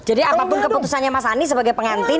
jadi apapun keputusannya mas ahnie sebagai pengantin